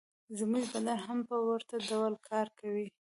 زموږ بدن هم په ورته ډول کار کوي